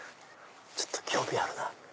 ちょっと興味あるな。